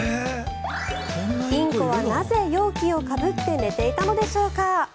インコはなぜ、容器をかぶって寝ていたのでしょうか。